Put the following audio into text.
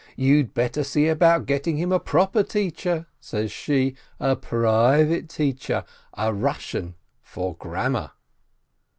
You'd better see about getting him a proper teacher," says she, "a private teacher, a Eussian, for grammar